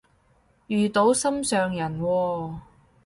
遇到心上人喎？